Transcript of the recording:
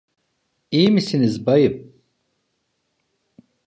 İyi misiniz bayım?